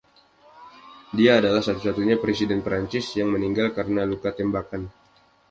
Dia adalah satu-satunya presiden Prancis yang meninggal karena luka tembakan.